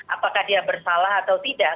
apakah dia bersalah atau tidak